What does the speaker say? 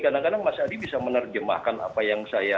kadang kadang mas adi bisa menerjemahkan apa yang saya